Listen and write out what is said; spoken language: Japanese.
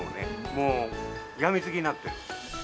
もう病みつきになってる。